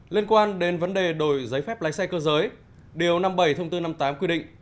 liên quan đến vấn đề đổi giấy phép lái xe cơ giới điều năm mươi bảy thông tư năm mươi tám quy định